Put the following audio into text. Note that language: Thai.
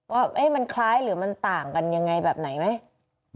ว่ามันคล้ายหรือมันต่างกันยังไงแบบไหนไหม